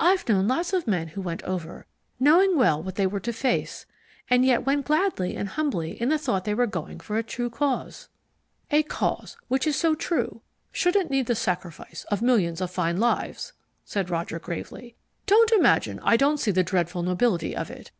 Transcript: I've known lots of men who went over, knowing well what they were to face, and yet went gladly and humbly in the thought they were going for a true cause." "A cause which is so true shouldn't need the sacrifice of millions of fine lives," said Roger gravely. "Don't imagine I don't see the dreadful nobility of it.